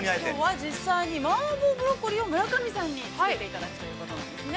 実際に麻婆ブロッコリーを村上さんに作っていただくということなんですね。